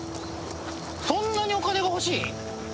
そんなにお金が欲しい？